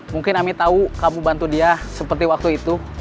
mungkin ami tahu kamu bantu dia seperti waktu itu